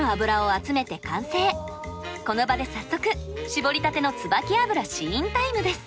この場で早速搾りたてのつばき油試飲タイムです。